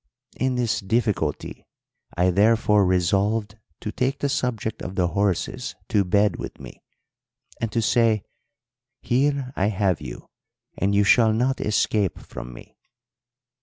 "In this difficulty I therefore resolved to take the subject of the horses to bed with me, and to say, 'Here I have you and you shall not escape from me.'